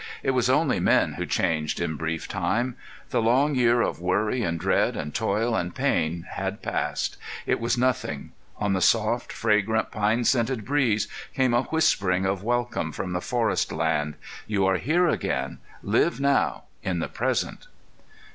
It was only men who changed in brief time. The long year of worry and dread and toil and pain had passed. It was nothing. On the soft, fragrant, pine scented breeze came a whispering of welcome from the forestland: "You are here again. Live now in the present."